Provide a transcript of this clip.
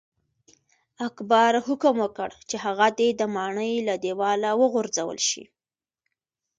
اکبر حکم وکړ چې هغه دې د ماڼۍ له دیواله وغورځول شي.